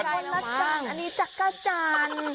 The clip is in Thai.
คนละจันอันนี้จักรจัน